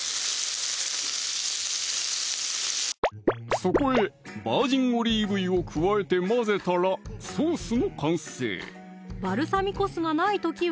そこへバージンオリーブ油を加えて混ぜたらソースの完成バルサミコ酢がない時は？